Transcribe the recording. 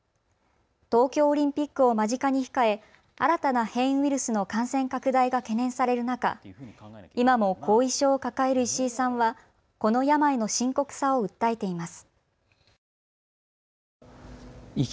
東京オリンピックを間近に控え新たな変異ウイルスの感染拡大が懸念される中、今も後遺症を抱える石井さんはこの病の深刻さを訴えています。